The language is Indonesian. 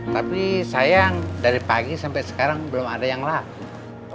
tapi sayang dari pagi sampai sekarang belum ada yang laku